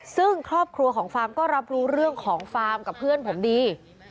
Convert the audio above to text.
ซึ่งครอบครัวของฟาร์มก็รับรู้เรื่องของฟาร์มกับเพื่อนผมดี